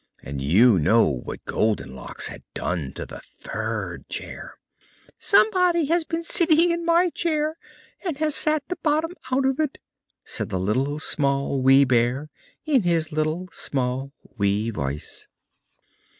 And you know what Goldenlocks had done to the third chair. "SOMEBODY HAS BEEN SITTING IN MY CHAIR, AND HAS SAT THE BOTTOM OUT OF IT!" said the Little, Small, Wee Bear, in his little, small, wee voice.